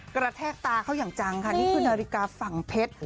กระแทกตาเขาอย่างจังค่ะนี่คือนาฬิกาฝั่งเพชร